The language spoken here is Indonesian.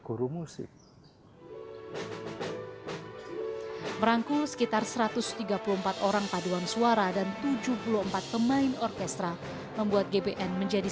guru musik merangkul sekitar satu ratus tiga puluh empat orang paduan suara dan tujuh puluh empat pemain orkestra membuat gbn menjadi